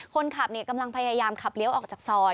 คนขับกำลังพยายามขับเลี้ยวออกจากซอย